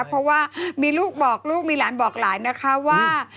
เพราะว่ามีลูกบอกลูกมีหลานบอกหลานนะคะว่า